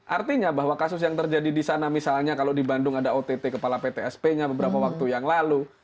artinya bahwa kasus yang terjadi di sana misalnya kalau di bandung ada ott kepala ptsp nya beberapa waktu yang lalu